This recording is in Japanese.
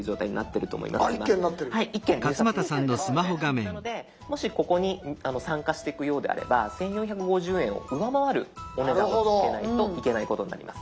なのでもしここに参加していくようであれば１，４５０円を上回るお値段をつけないといけないことになります。